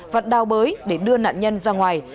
và đào bới để đưa nạn nhân ra ngoài